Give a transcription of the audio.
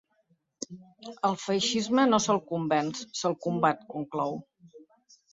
Al feixisme no se’l convenç, se’l combat, conclou.